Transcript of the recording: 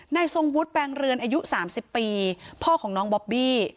ทรงวุฒิแปลงเรือนอายุ๓๐ปีพ่อของน้องบอบบี้